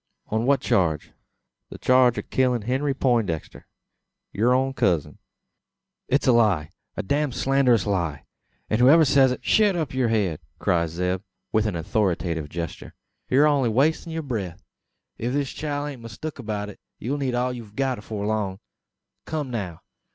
"On what charge?" "The churge o' killin' Henry Peintdexter yur own cousin." "It's a lie! A damned slanderous lie; and whoever says it !" "Shet up yur head!" cries Zeb, with an authoritative gesture. "Ye're only wastin' breath. Ef this chile ain't mistook about it, ye'll need all ye've got afore long. Kum, now!